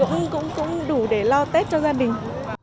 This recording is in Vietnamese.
mình cũng đủ để lo tết cho gia đình